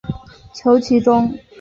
求其中